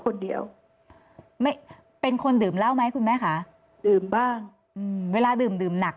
คนเดียวไม่เป็นคนดื่มเหล้าไหมคุณแม่คะดื่มบ้างอืมเวลาดื่มดื่มหนัก